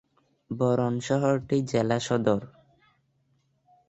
বরন শহরটি জেলা সদর।